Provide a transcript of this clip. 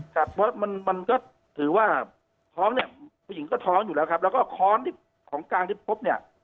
ครับเพราะมันมันก็ถือว่าท้องเนี่ยผู้หญิงก็ท้องอยู่แล้วครับแล้วก็ค้อนที่ของกลางที่พบเนี่ย